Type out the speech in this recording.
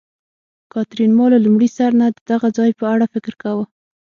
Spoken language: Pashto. کاترین: ما له لومړي سر نه د دغه ځای په اړه فکر کاوه.